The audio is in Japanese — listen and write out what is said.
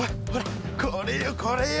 これよこれよ。